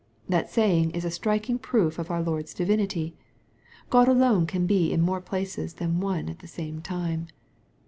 That saying is a striking proof of our Lord's divinity. God alone can be in more places than one at the same time.